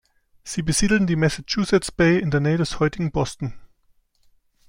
Sie besiedelten die Massachusetts Bay in der Nähe des heutigen Boston.